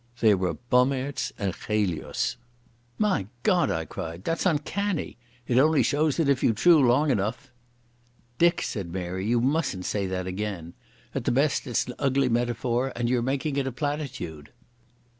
They were "Bommaerts" and "Chelius". "My God!" I cried, "that's uncanny. It only shows that if you chew long enough— " "Dick," said Mary, "you mustn't say that again. At the best it's an ugly metaphor, and you're making it a platitude."